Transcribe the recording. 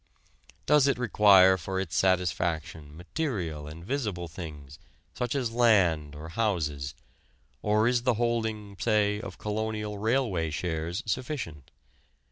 Does it require for its satisfaction material and visible things such as land or houses, or is the holding, say, of colonial railway shares sufficient?